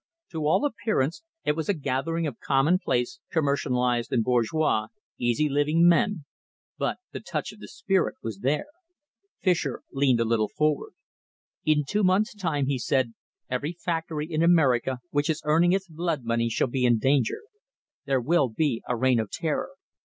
To all appearance it was a gathering of commonplace, commercialised and bourgeois, easy living men, but the touch of the spirit was there. Fischer leaned a little forward. "In two months' time," he said, "every factory in America which is earning its blood money shall be in danger. There will be a reign of terror.